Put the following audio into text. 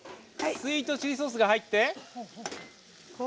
スイートチリソースが入って。